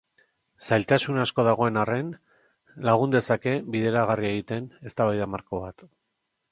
Zailtasun asko dagoen arren, lagun dezake bideragarri egiten eztabaida marko bat.